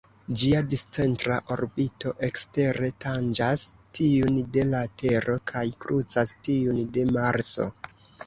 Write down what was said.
Ĝia discentra orbito ekstere tanĝas tiun de la Tero kaj krucas tiun de Marso.